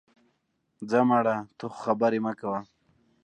ځه مړه، ته خو خبرې مه کوه